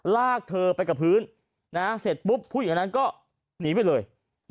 ลากเธอไปกับพื้นเสร็จปุ๊บผู้หญิงคนนั้นก็หนีไปเลย